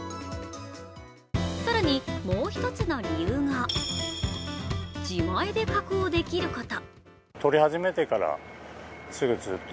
更に、もう１つの理由が、自前で加工できること。